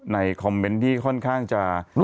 ในคอมเมนต์ที่ค่อนข้างจะ